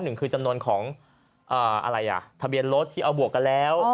หนึ่งคือจำนวนของอะไรอ่ะทะเบียนรถที่เอาบวกกันแล้ว